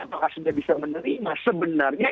apakah sudah bisa menerima sebenarnya